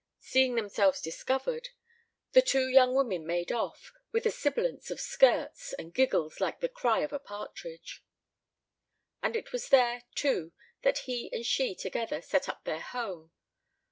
Seeing themselves discovered, the two young women made off, with a sibilance of skirts, and giggles like the cry of a partridge. And it was there, too, that he and she together set up their home.